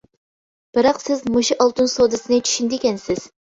بىراق سىز مۇشۇ ئالتۇن سودىسىنى چۈشىنىدىكەنسىز.